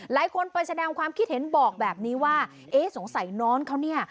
หลายคนไปแสดงความคิดเห็นบอกแบบนี้ว่าเอ๊ะสงสัยน้องเขาเนี่ย